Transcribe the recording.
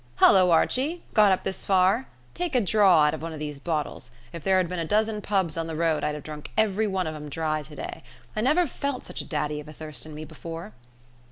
Hullo, Archie! Got up this far. Take a draw out of one of these bottles. If there had been a dozen pubs on the road, I'd have drunk every one of em dry today. I never felt such a daddy of a thirst on me before."